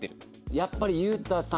やっぱり、雄太さん